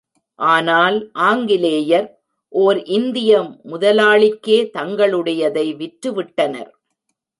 ஆனால் ஆங்கிலேயர் ஓர் இந்திய முதலாளிக்கே தங்களுடையதை விற்றுவிட்டனர்.